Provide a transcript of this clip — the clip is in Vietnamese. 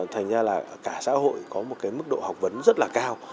thành ra là cả xã hội có một cái mức độ học vấn rất là cao